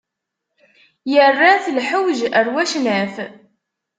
Irra-t lḥewj ar wacnaf.